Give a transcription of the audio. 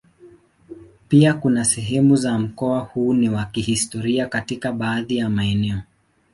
Pia kuna sehemu za mkoa huu ni wa kihistoria katika baadhi ya maeneo.